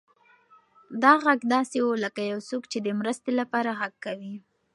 دا غږ داسې و لکه یو څوک چې د مرستې لپاره غږ کوي.